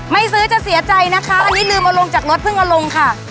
ไม่ซื้อจะเสียใจนะคะอันนี้ลืมเอาลงจากรถเพิ่งเอาลงค่ะ